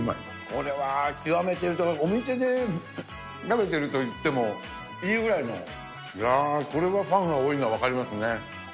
これは極めてると、お店で食べてると言ってもいいぐらいの、いやー、これはファンが多いのは分かりますね。